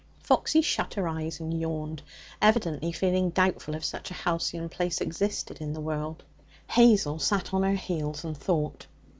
Foxy shut her eyes and yawned, evidently feeling doubtful if such a halcyon place existed in the world. Hazel sat on her heels and thought.